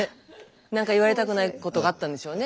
何か言われたくないことがあったんでしょうね。